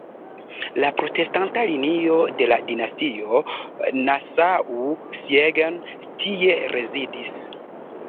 La protestanta linio de la dinastio "Nassau-Siegen" tie rezidis.